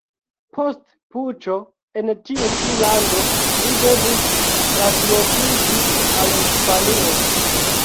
Post puĉo en tiu ĉi lando, li devis translokiĝi al Hispanio.